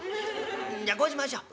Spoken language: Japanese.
「んじゃこうしましょう。